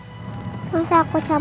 kamu kenapa sayang